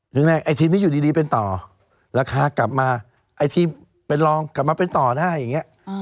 ยังไงไอ้ทีมนี้อยู่ดีเป็นต่อราคากลับมาไอ้ทีมเป็นรองกลับมาเป็นต่อได้อย่างนี้